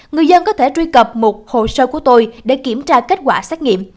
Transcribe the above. người dân có thể truy cập một hồ sơ của tôi để kiểm tra kết quả xét nghiệm